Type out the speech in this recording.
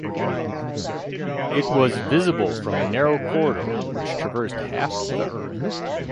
It was visible from a narrow corridor which traversed half the Earth.